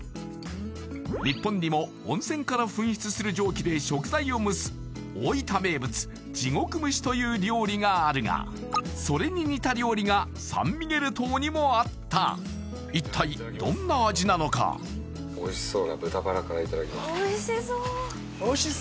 日本にも温泉から噴出する蒸気で食材を蒸す大分名物地獄蒸しという料理があるがそれに似た料理がサンミゲル島にもあった一体どんな味なのかうん！